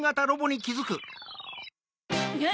えっ？